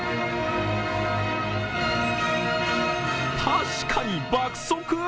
確かに、爆速！